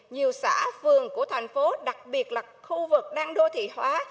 nhiều xã phường của thành phố đặc biệt là khu vực đang đô thị hóa